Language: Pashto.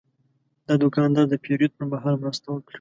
دا دوکاندار د پیرود پر مهال مرسته وکړه.